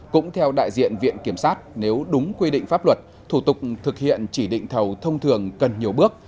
cũng theo đại diện viện kiểm sát nếu đúng quy định pháp luật thủ tục thực hiện chỉ định thầu thông thường cần nhiều bước